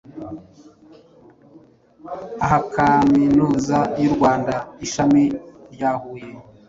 aharkaminuza y'u Rwanda ishami rya Huye